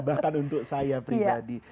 bahkan untuk saya pribadi